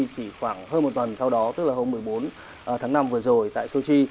chỉ khoảng hơn một tuần sau đó tức là hôm một mươi bốn tháng năm vừa rồi tại sochi